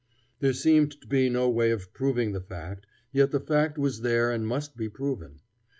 There seemed to be no way of proving the fact, yet the fact was there and must be proven.